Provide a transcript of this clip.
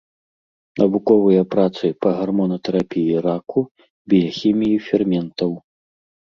Навуковыя працы па гармонатэрапіі раку, біяхіміі ферментаў.